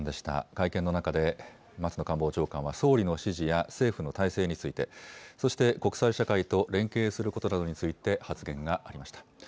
会見の中で松野官房長官は、総理の指示や政府の態勢について、そして国際社会と連携することなどについて発言がありました。